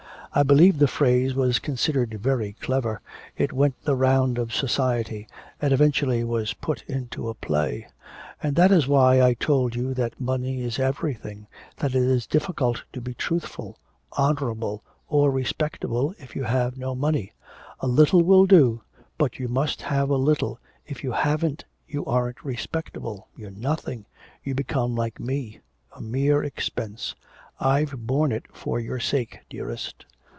I believe the phrase was considered very clever, it went the round of society, and eventually was put into a play. And that is why I told you that money is everything, that it is difficult to be truthful, honourable, or respectable if you have no money, a little will do, but you must have a little, if you haven't you aren't respectable, you're nothing, you become like me, a mere expense.... I've borne it for your sake, dearest.'